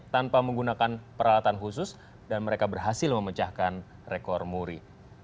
tanpa menggunakan peralatan khusus dan mereka berhasil memecahkan rekor muri